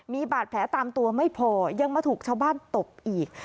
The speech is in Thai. มีบาดแผลตามตัวไม่พอยังมาถูกชาวบ้านตบอีก